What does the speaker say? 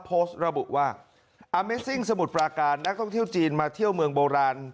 โพสต์ระบุว่าอาเมซิ่งสมุทรปราการนักท่องเที่ยวจีนมาเที่ยวเมืองโบราณ